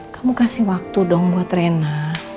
kamu kasih waktu dong buat rena